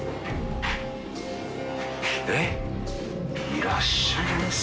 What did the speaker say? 「いらっしゃいませ」？